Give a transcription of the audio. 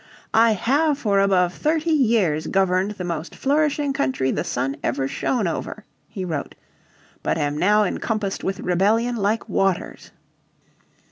"I have for above thirty years governed the most flourishing country the sun ever shone over," he wrote, "but am now encompassed with rebellion like waters."